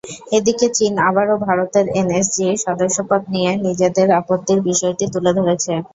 এদিকে, চীন আবারও ভারতের এনএসজির সদস্যপদ নিয়ে নিজেদের আপত্তির বিষয়টি তুলে ধরেছে।